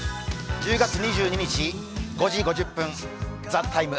１０月２２日５時５０分「ＴＨＥＴＩＭＥ，」